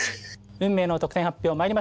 運命の得点発表まいりましょう！